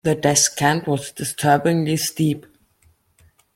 The descent was disturbingly steep.